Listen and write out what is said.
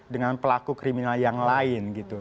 dengan pelaku kriminal yang lain gitu